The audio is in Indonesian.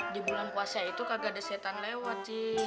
di bulan puasa itu kagak ada setan lewat sih